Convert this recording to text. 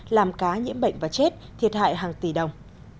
làm cá nhiễm bệnh và chết thiệt hại hàng tỷ đồng